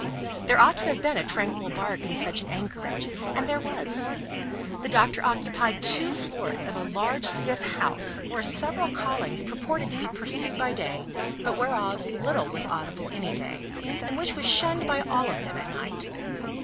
There ought to have been a tranquil bark in such an anchorage, and there was. The Doctor occupied two floors of a large stiff house, where several callings purported to be pursued by day, but whereof little was audible any day, and which was shunned by all of them at night.